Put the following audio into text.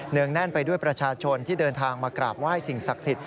งแน่นไปด้วยประชาชนที่เดินทางมากราบไหว้สิ่งศักดิ์สิทธิ